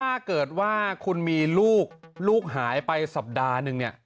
ถ้าเกิดว่าคุณมีลูกลูกหายไปสัปดาห์นึงเนี่ย